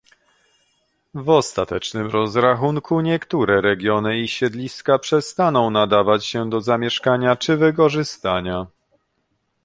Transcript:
W ostatecznym rozrachunku niektóre regiony i siedliska przestaną nadawać się do zamieszkania czy wykorzystania